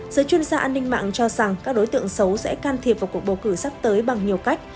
giới chuyên gia an ninh mạng cho rằng các đối tượng xấu sẽ can thiệp vào cuộc bầu cử sắp tới bằng nhiều cách